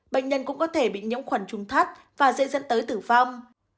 bệnh nhân cũng có thể bị nhiễm khoản trùng thắt và dễ dẫn tới tử vong